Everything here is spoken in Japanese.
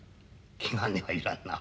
気兼ねはいらんな。